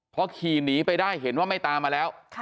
พอขี่หนีไปได้เห็นว่าไม่ตามมาแล้ว